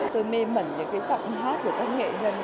tôi mê mẩn những cái giọng hát của các nghệ nhân